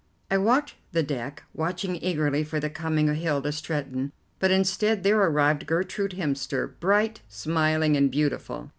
I walked the deck, watching eagerly for the coming of Hilda Stretton, but instead there arrived Gertrude Hemster, bright, smiling, and beautiful.